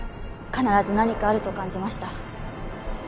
必ず何かあると感じました